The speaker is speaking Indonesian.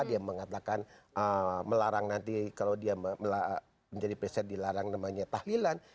dia mengatakan melarang nanti kalau dia menjadi peset dilarang namanya tahlilan